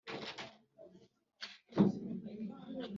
abashiya babona ko yapfuye ahowe ukwemera kwe